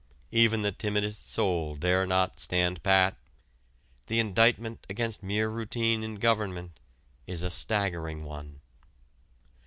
Even the timidest soul dare not "stand pat." The indictment against mere routine in government is a staggering one.